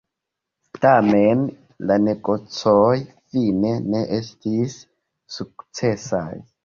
Tamen la negocoj fine ne estis sukcesaj.